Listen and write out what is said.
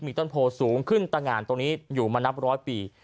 ต้นโพสูงขึ้นตะงานตรงนี้อยู่มานับร้อยปี